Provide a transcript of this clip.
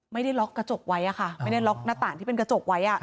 ไม่ได้ล็อกกระจกไว้ค่ะไม่ได้ล็อกหน้าต่างที่เป็นกระจกไว้